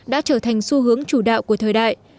đã trở thành xu hướng chủ đạo của thời đại